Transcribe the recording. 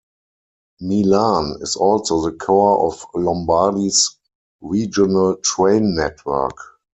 Milan is also the core of Lombardy's regional train network.